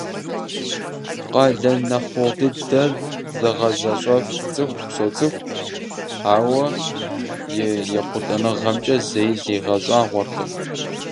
Къалэн нэхъ гугъу дыдэхэр зыгъэзэщӏэф цӀыху соцӀыху, ауэ и ехъулӀэныгъэхэмкӀэ зэи зигъэщӀагъуэркъым.